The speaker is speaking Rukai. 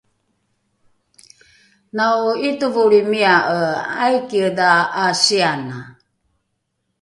nao’itovolrimia’e aikiedha ’asiana?